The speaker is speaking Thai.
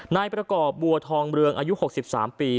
นายประกอบบัวทองเรืองอายุ๖๓ปี